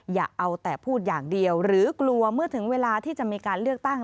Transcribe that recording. อย่าเอาแต่พูดอย่างเดียวหรือกลัวเมื่อถึงเวลาที่จะมีการเลือกตั้ง